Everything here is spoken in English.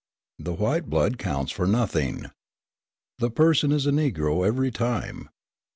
The white blood counts for nothing. The person is a Negro every time.